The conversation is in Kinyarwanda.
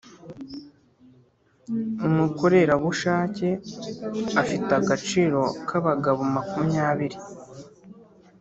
umukorerabushake afite agaciro kabagabo makumyabiri